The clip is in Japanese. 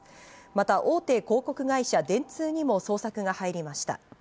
また大手広告会社・電通にも捜索が入りました。